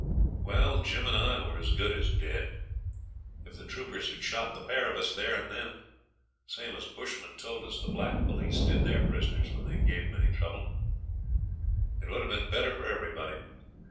Well, Jim and I were as good as dead. If the troopers had shot the pair of us there and then, same as bushmen told us the black police did their prisoners when they gave 'em any trouble, it would have been better for everybody.